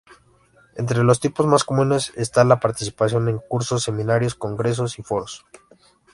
Entre los tipos más comunes está la participación en cursos, seminarios, congresos y foros.